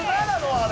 あれ。